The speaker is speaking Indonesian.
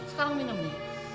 sekarang minum bu